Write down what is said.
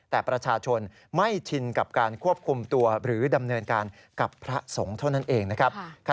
แต่ประชาชนไม่ชินกับการควบคุมตัวหรือดำเนินการกับพระสงฆ์เท่านั้นเองนะครับ